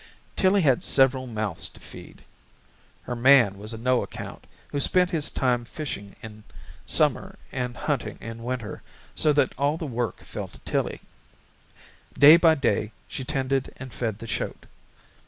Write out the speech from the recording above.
Tillie had several mouths to feed. Her man was a no account, who spent his time fishing in summer and hunting in winter, so that all the work fell to Tillie. Day by day she tended and fed the shoat.